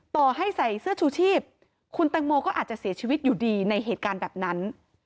ต่อให้ใส่เสื้อชูชีพคุณแตงโมก็อาจจะเสียชีวิตอยู่ดีในเหตุการณ์แบบนั้น